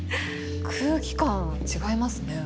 空気感違いますね。